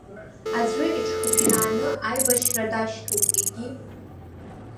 Аӡәы иҽхыршәааны аибашьра дашьҭоуп, егьи.